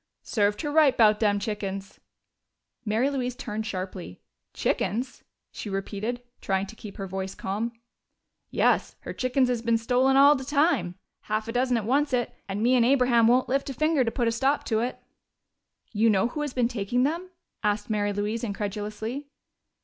Served her right 'bout dem chickens!" Mary Louise turned sharply. "Chickens?" she repeated, trying to keep her voice calm. "Yes. Her chickens is bein' stolen all de time. Half a dozen to oncet and me and Abraham won't lift a finger to put a stop to it!" "You know who has been taking them?" asked Mary Louise incredulously.